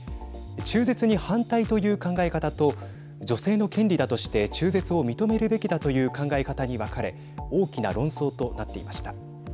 中絶に反対という考え方と女性の権利だとして中絶を認めるべきだという考え方に分かれ大きな論争となっていました。